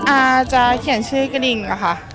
อาจจะเขียนชื่อกระดิ่งค่ะ